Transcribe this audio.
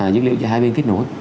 dữ liệu cho hai bên kết nối